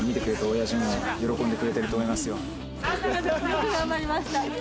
よく頑張りました。